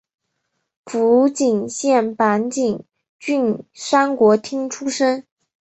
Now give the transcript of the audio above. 福井县坂井郡三国町出身。